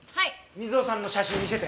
美津保さんの写真見せて。